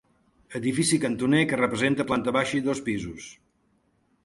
Edifici cantoner que presenta planta baixa i dos pisos.